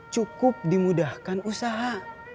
cukup dimudahkan usaha